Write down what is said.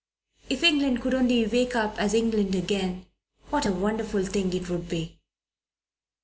If England could only wake up as England again, what a wonderful thing it would be!"